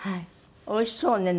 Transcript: おいしそうね